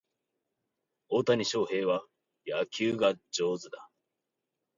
大谷翔平は野球が上手だ